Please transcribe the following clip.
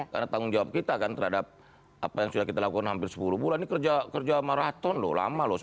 karena tanggung jawab kita kan terhadap apa yang sudah kita lakukan hampir sepuluh bulan ini kerja maraton loh lama loh sepuluh bulan